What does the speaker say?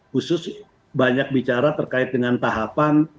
khusus banyak bicara terkait dengan tahapan